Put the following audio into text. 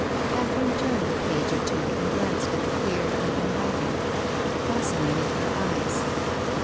Catherine turned a page or two and glanced at the clear, even writing. It fascinated her eyes.